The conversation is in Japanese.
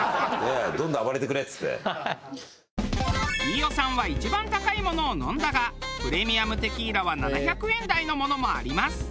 飯尾さんは一番高いものを飲んだがプレミアムテキーラは７００円台のものもあります。